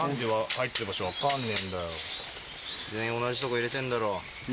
全員同じとこ入れてんだろ？